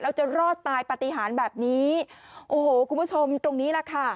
แล้วจะรอดตายปฏิหารแบบนี้โอ้โหคุณผู้ชมตรงนี้แหละค่ะ